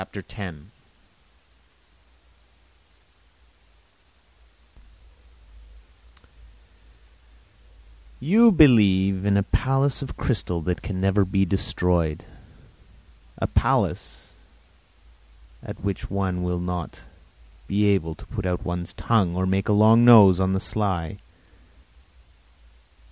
X You believe in a palace of crystal that can never be destroyed—a palace at which one will not be able to put out one's tongue or make a long nose on the sly.